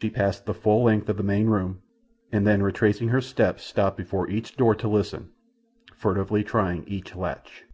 She passed the full length of the main room, and then retracing her steps stopped before each door to listen, furtively trying each latch.